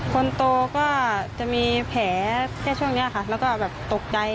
คนโตก็จะมีแผลแค่ช่วงนี้ค่ะแล้วก็แบบตกใจ